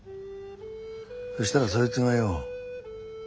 そしたらそいつがよ